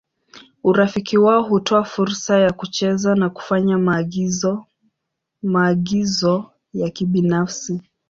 Urafiki wao hutoa fursa ya kucheza na kufanya maagizo ya kibinafsi.